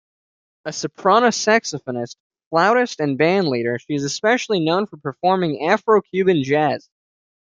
A soprano saxophonist, flautist and bandleader, she is especially known for performing Afro-Cuban jazz.